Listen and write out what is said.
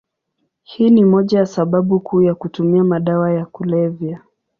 Hii ni moja ya sababu kuu ya kutumia madawa ya kulevya.